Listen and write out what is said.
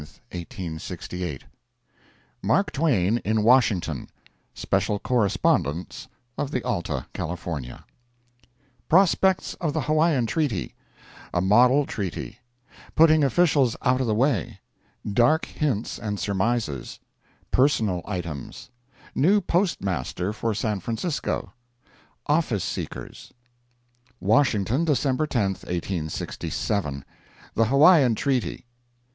Alta California, January 15, 1868 MARK TWAIN IN WASHINGTON [SPECIAL CORRESPONDENCE OF THE ALTA CALIFORNIA] Prospects of the Hawaiian Treaty—A Model Treaty—Putting Officials Out of the Way—Dark Hints and Surmises—Personal Items—New Postmaster for San Francisco—Office Seekers WASHINGTON, December 10, 1867. The Hawaiian Treaty.